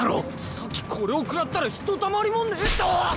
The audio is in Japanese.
さっきこれをくらったらひとたまりもねぇってどわっ！